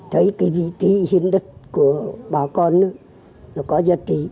thấy cái vị trí hiến đất của bà con nó có giá trị